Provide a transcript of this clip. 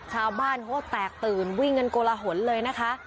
ชาวบ้านโธ่แตกตื่นวิ่งกันโกลหละหนเลยนะคะ